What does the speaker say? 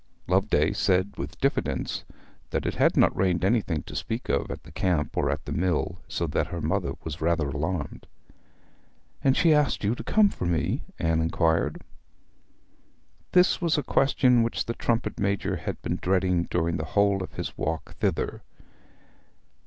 Loveday said with diffidence that it had not rained anything to speak of at the camp, or at the mill, so that her mother was rather alarmed. 'And she asked you to come for me?' Anne inquired. This was a question which the trumpet major had been dreading during the whole of his walk thither.